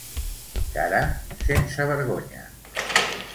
Cara sense vergonya.